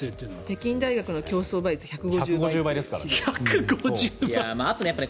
北京大学の競争倍率１５０倍だって。